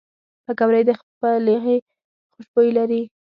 پکورې د پخلي خوشبویي لري